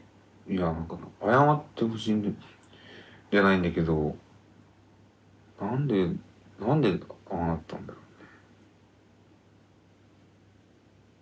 いや謝ってほしいんじゃないんだけど何で何でああなったんだろうね？